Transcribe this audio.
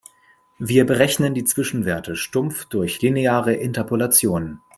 Wir berechnen die Zwischenwerte stumpf durch lineare Interpolation.